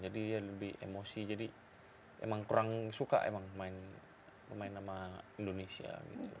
jadi ya lebih emosi jadi emang kurang suka emang pemain sama indonesia gitu